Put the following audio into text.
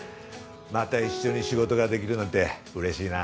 また一緒に仕事ができるなんて嬉しいな。